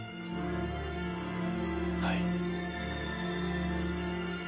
はい。